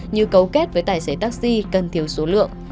như cấu kết với tài xế taxi cần thiếu số lượng